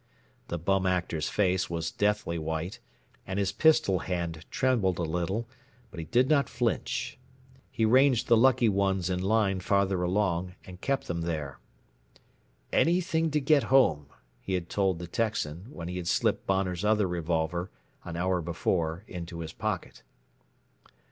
The Bum Actor's face was deathly white and his pistol hand trembled a little, but he did not flinch. He ranged the lucky ones in line farther along, and kept them there. "Anything to get home," he had told the Texan when he had slipped Bonner's other revolver, an hour before, into his pocket.